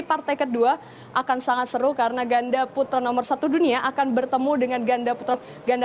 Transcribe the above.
partai kedua akan sangat seru karena ganda putra nomor satu dunia akan bertemu dengan ganda putra ganda